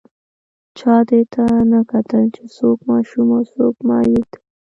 چا دې ته نه کتل چې څوک ماشوم او څوک معیوب دی